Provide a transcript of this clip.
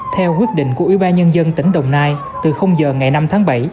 theo quyết định của ubnd tỉnh đồng nai từ giờ ngày năm tháng bảy